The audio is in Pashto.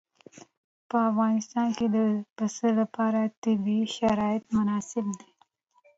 په افغانستان کې د پسه لپاره طبیعي شرایط مناسب دي.